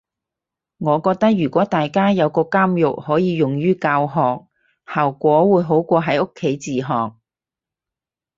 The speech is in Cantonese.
我覺得如果大家有個監獄可以用於教學，效果會好過喺屋企自學